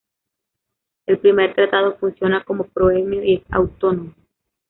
El primer tratado funciona como proemio y es autónomo.